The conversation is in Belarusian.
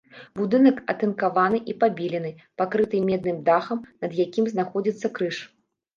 Будынак атынкаваны і пабелены, пакрыты медным дахам, над якім знаходзіцца крыж.